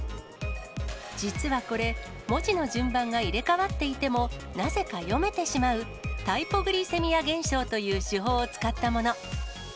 実はこれ、文字の順番が入れ替わっていても、なぜか読めてしまう、タイポグリセミア現象という手法を使ったもの。